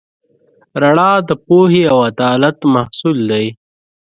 رڼا د پوهې او عدالت محصول دی.